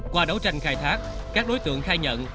qua đấu tranh khai thác các đối tượng khai nhận